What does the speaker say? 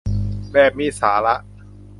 แบบมีสาระ